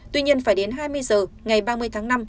tuy nhiên phải đến hai mươi h ngày ba mươi tháng năm